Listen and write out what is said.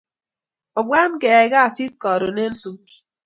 Obwan keyai kasit karun en sukul